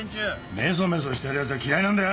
メソメソしてる奴は嫌いなんだよ。